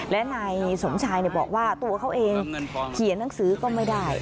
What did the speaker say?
และนายสมชายบอกว่าตัวเขาเองเขียนหนังสือก็ไม่ได้